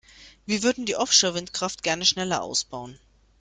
Wir würden die Offshore-Windkraft gerne schneller ausbauen.